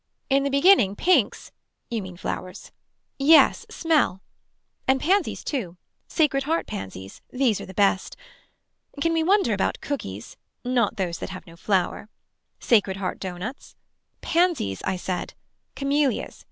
In the beginning pinks you mean flowers yes smell. And pansies too. Sacred heart pansies. These are the best. Can we wonder about cookies. Not those that have no flour. Sacred heart doughnuts. Pansies I said. Camelias.